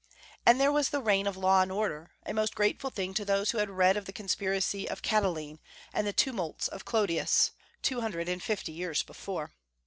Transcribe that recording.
And there was the reign of law and order, a most grateful thing to those who had read of the conspiracy of Catiline and the tumults of Clodius, two hundred and fifty years before.